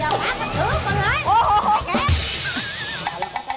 อย่ามากก็ถือกมาเลย